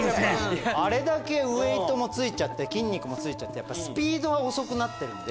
あれだけウエートもついちゃって筋肉もついちゃうとスピードは遅くなってるんで。